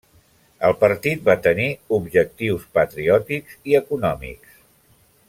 El partit va tenir objectius patriòtics i econòmics.